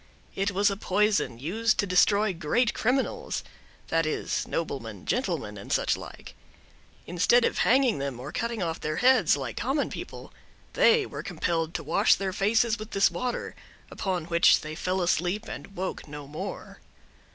It was a poison, used to destroy great criminals—that is, noblemen, gentlemen, and such like. Instead of hanging them or cutting their heads off, like common people, they were compelled to wash their faces with this water; upon which they fell asleep, and woke no more.